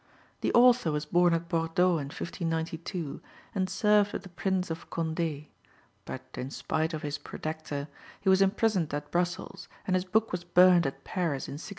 The author was born at Bordeaux in 1592, and served with the Prince of Condé; but, in spite of his protector, he was imprisoned at Brussels, and his book was burnt at Paris, in 1655.